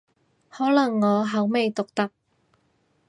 可能我口味獨特